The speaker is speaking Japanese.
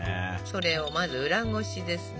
それをまず裏ごしですね。